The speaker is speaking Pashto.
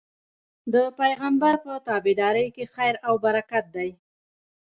د پيغمبر په تابعدارۍ کي خير او برکت دی